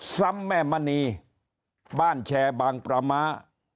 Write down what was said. ซ้ำแม่มณีบ้านแชร์บางปรามา